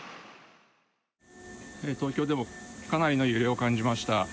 東京でもかなりの揺れを感じました。